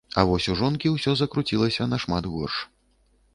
А вось у жонкі ўсё закруцілася нашмат горш.